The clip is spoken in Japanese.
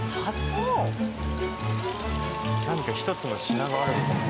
なんか一つの品があるのかも。